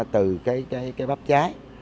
từ cái bắp trái